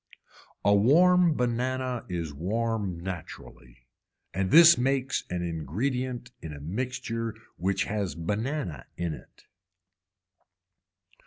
A warm banana is warm naturally and this makes an ingredient in a mixture which has banana in it.